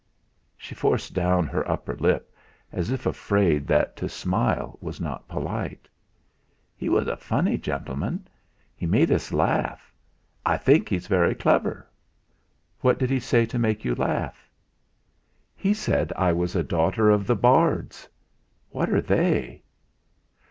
She forced down her upper lip, as if afraid that to smile was not polite. "He was a funny gentleman; he made us laugh. I think he is very clever." "What did he say to make you laugh?" "He said I was a daughter of the bards. What are they?"